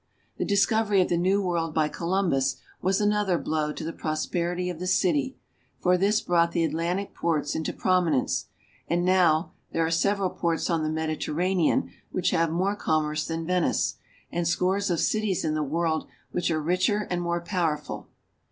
The discovery of the new world by Columbus was another blow to the prosperity of the city, for this brought the Atlantic ports into prominence ; and now there are several ports on the Mediterranean which have more commerce than Venice, and scores of cities in the world which are richer and more powerful.